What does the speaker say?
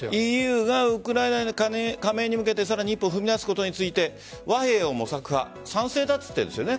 ＥＵがウクライナに加盟に向けてさらに一歩踏み出すことについて和平を模索派賛成だと言っているんです。